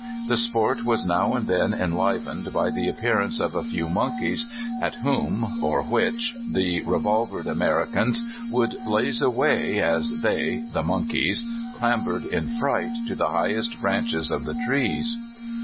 The sport was now and then enlivened by the appearance of a few monke3'S, at whom (or which) the revolvered Americans would blaze away as they (the mon keys) clambered in fright to the highest branches of the trees.